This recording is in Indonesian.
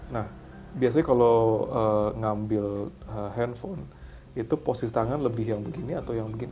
nah biasanya kalau ngambil handphone itu posisi tangan lebih yang begini atau yang begini